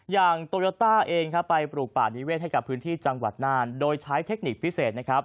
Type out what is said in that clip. อย่างโตโยต้าเองครับไปปลูกป่านิเวศให้กับพื้นที่จังหวัดน่านโดยใช้เทคนิคพิเศษนะครับ